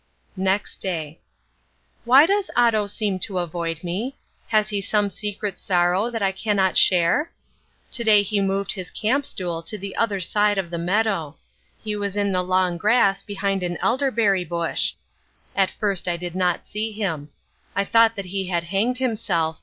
Next Day. Why does Otto seem to avoid me? Has he some secret sorrow that I cannot share? To day he moved his camp stool to the other side of the meadow. He was in the long grass behind an elderberry bush. At first I did not see him. I thought that he had hanged himself.